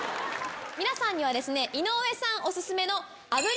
皆さんにはですね井上さんオススメの。